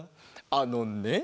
あのね